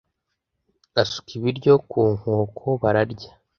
asuka ibiryo ku nkoko bararya.